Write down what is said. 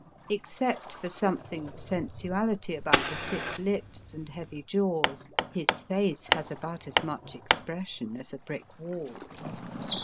Except for something of sen suahty about the thick lips and heavy jaws, his face has about as much expression as a brick wall.